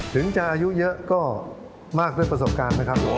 ถึงจะอายุเยอะก็มากด้วยประสบการณ์นะครับ